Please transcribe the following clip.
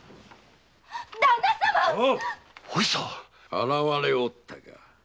現れおったな。